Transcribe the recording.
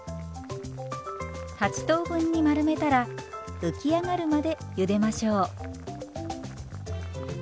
８等分に丸めたら浮き上がるまでゆでましょう。